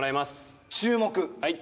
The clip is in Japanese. はい。